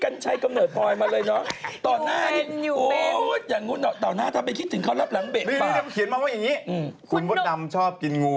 นักคุณแม่มัวสวยอยู่แล้วถ่ายอย่างไรก็สวยกล้องไอ้ก็สวย